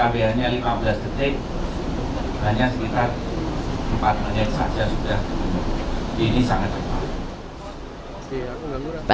jadi ini sangat cepat